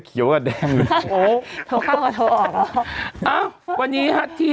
เขียวกับแดงโอ้โหโทรข้างกับโทรออกอ่ะอ่ะวันนี้ฮะที่